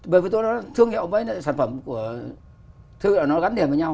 bởi vì tôi nói là thương hiệu với sản phẩm của thương hiệu nó gắn đềm với nhau